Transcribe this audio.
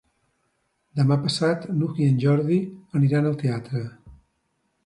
Demà passat n'Hug i en Jordi aniran al teatre.